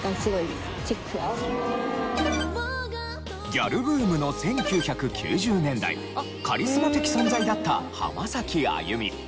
ギャルブームの１９９０年代カリスマ的存在だった浜崎あゆみ。